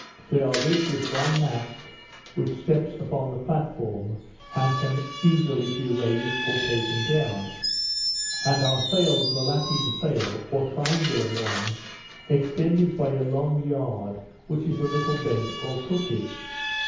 They are rigged with one mast, which steps upon the platform, and can easily be raised or taken down; and are sailed with a latteen sail, or triangular one, extended by a long yard, which is a little bent or crooked.